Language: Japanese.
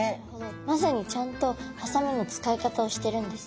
まさにちゃんとハサミの使い方をしてるんですね。